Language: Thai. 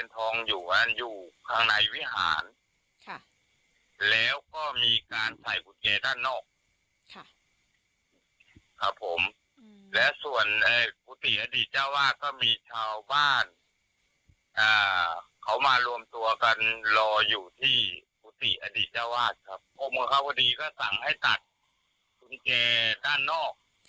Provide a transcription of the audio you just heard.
ตัวกันรออยู่กับปุศิอดีตเจ้าอาวาสปวงพระควดีก็สั่งให้ตัดกุญแจด้านนอก